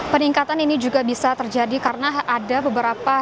peningkatan ini juga bisa terjadi karena ada beberapa